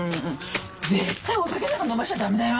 絶対お酒なんか飲ましちゃ駄目だよ。